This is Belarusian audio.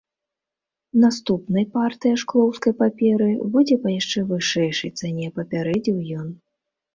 Наступнай партыя шклоўскай паперы будзе па яшчэ вышэйшай цане, папярэдзіў ён.